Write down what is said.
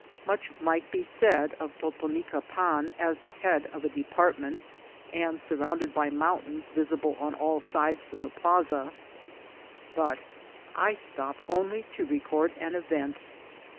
Much might be said of Totonicapan as the head of a department, and surrounded by mountains visible on all sides from the plaza ; but I stop only to record an event.